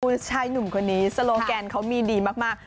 คุณชายหนุ่มคนนี้สโลแกนเขามีดีมาก